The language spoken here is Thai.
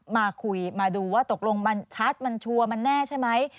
มาคุยมาดูว่าตกลงมันชัดมันชัวร์มันแน่ใช่ไหม